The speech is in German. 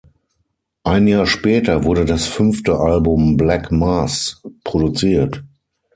Ein Jahr später wurde das fünfte Album ""Black Mass"" produziert.